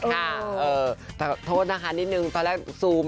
ขอโทษนะคะนิดนึงตอนแรกซูม